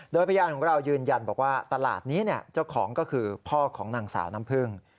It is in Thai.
โดยพยานของเรายืนยันบอกว่าตลาดนี้เจ้าของก็คือพ่อของนางสาวน้ำพึ่ง